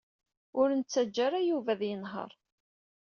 Ur nettaǧǧa ara Yuba ad yenheṛ.